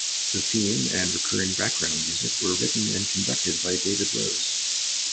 The theme and recurring background music were written and conducted by David Rose.